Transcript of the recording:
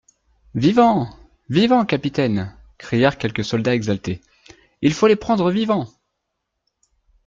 Vivants ! vivants, capitaine ! crièrent quelques soldats exaltés ; il faut les prendre vivants.